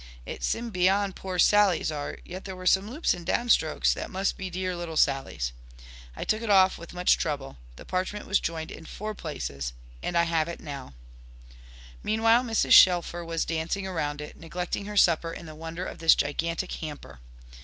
It seemed beyond poor Sally's art, yet were some loops and downstrokes that must be dear little Sally's. I took it off with much trouble the parchment was joined in four places and I have it now. Meanwhile Mrs. Shelfer was dancing around it, neglecting her supper in the wonder of this gigantic hamper.